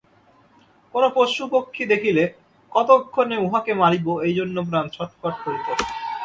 কোন পশুপক্ষী দেখিলে কতক্ষণে উহাকে মারিব, এই জন্য প্রাণ ছটফট করিত।